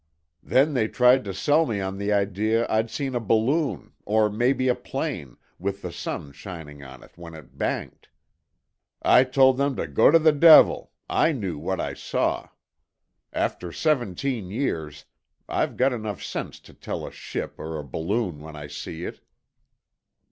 "Then they tried to sell me on the idea I'd seen a balloon, or maybe a plane, with the sun shining on it when it banked. I told them to go to the devil—I knew what I saw. After seventeen years, I've got enough sense to tell a ship or a balloon when I see it."